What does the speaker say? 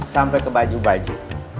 sampai ke baju baju